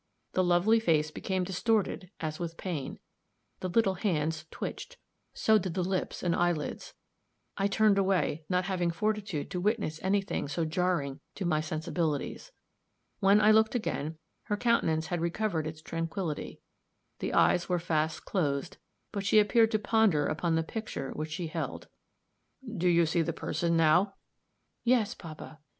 The lovely face became distorted as with pain; the little hands twitched so did the lips and eyelids. I turned away, not having fortitude to witness any thing so jarring to my sensibilities. When I looked again, her countenance had recovered its tranquillity; the eyes were fast closed, but she appeared to ponder upon the picture which she held. "Do you see the person now?" "Yes, papa."